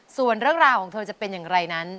ส่วนเรื่องราวของเธอจะเป็นอย่างไรนั้น